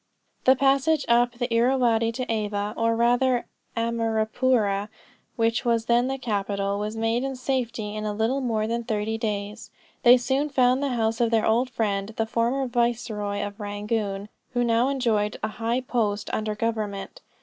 The passage up the Irrawaddy to Ava, or rather Amerapoora, which was then the capital, was made in safety in a little more than thirty days. They soon found the house of their old friend the former viceroy of Rangoon, who now enjoyed a high post under government.